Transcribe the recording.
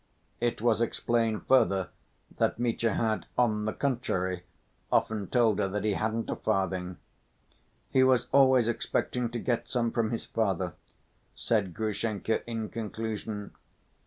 It was explained further that Mitya had, on the contrary, often told her that he hadn't a farthing. "He was always expecting to get some from his father," said Grushenka in conclusion.